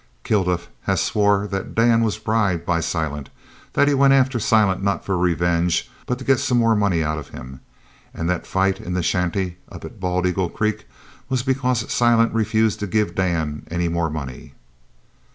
Kilduff has swore that Dan was bribed by Silent, that he went after Silent not for revenge, but to get some more money out of him, an' that the fight in the shanty up at Bald eagle Creek was because Silent refused to give Dan any more money."